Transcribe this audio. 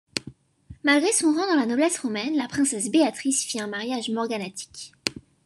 Malgré son rang dans la noblesse romaine, la princesse Béatrice fit un mariage morganatique.